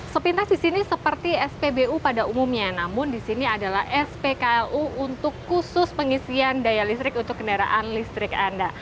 sepintas di sini seperti spbu pada umumnya namun di sini adalah spklu untuk khusus pengisian daya listrik untuk kendaraan listrik anda